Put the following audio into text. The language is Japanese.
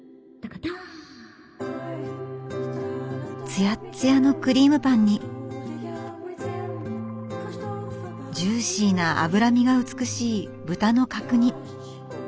つやっつやのクリームパンにジューシーな脂身が美しい豚の角煮。